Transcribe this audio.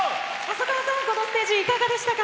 細川さん、このステージいかがでしたか？